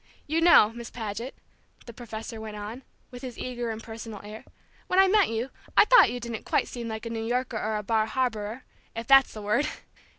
You know, Miss Paget," the professor went on, with his eager, impersonal air, "when I met you, I thought you didn't quite seem like a New Yorker and a Bar Harborer if that's the word!